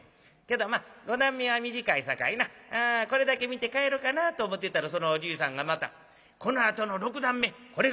けどまあ五段目は短いさかいなこれだけ見て帰ろうかなと思ってたらそのおじいさんがまた『このあとの六段目これがよろしい。